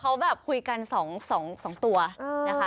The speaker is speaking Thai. เขาแบบคุยกัน๒ตัวนะคะ